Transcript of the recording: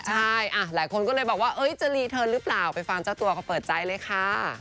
ใช่หลายคนก็เลยบอกว่าจะรีเทิร์นหรือเปล่าไปฟังเจ้าตัวเขาเปิดใจเลยค่ะ